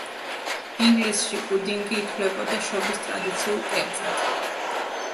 ინგლისში პუდინგი ითვლებოდა შობის ტრადიციულ კერძად.